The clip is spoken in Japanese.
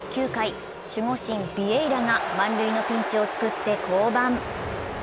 しかし、９回、守護神・ビエイラが満塁のピンチを作って降板。